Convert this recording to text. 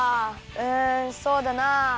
うんそうだなあ。